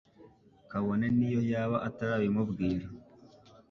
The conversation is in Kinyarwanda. kabone n'iyo yaba atarabimubwira